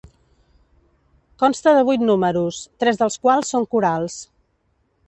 Consta de vuit números, tres dels quals són corals.